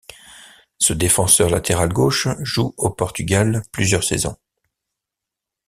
Ce défenseur latéral gauche joue au Portugal plusieurs saisons.